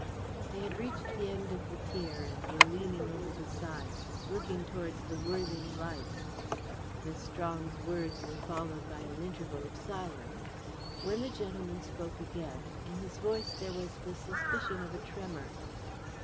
They had reached the end of the pier, and were leaning over the side, looking towards the Worthing lights. Miss Strong's words were followed by an interval of silence. When the gentleman spoke again, in his voice there was the suspicion of a tremor.